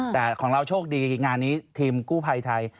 แต่ของเราโชคดีงานนี้ทีมกู้ภัยไทย